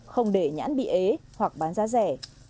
không để nhãn bị ế hoặc bán giá rẻ